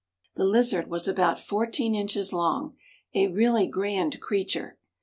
The lizard was about fourteen inches long, a really grand creature.